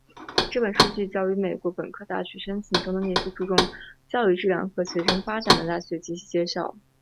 这本书聚焦于美国本科大学申请中那些注重教育质量和学生发展的大学及其介绍。